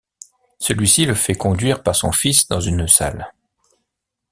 Celui-ci le fait conduire par son fils dans une salle.